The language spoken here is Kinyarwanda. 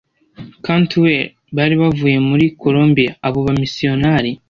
Cantwell bari bavuye muri Kolombiya Abo bamisiyonari